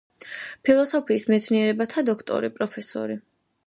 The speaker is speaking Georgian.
ფილოსოფიის მეცნიერებათა დოქტორი, პროფესორი.